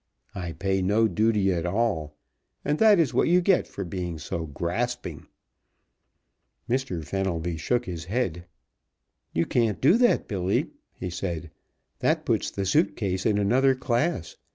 I pay no duty at all, and that is what you get for being so grasping." Mr. Fenelby shook his head. "You can't do that, Billy," he said. "That puts the suit case in another class.